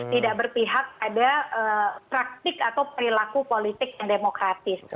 tidak berpihak pada praktik atau perilaku politik yang demokratis